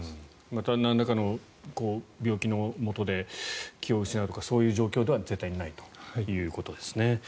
またなんらかの病気のもとで気を失ってとかそういう状況では絶対ないということですね。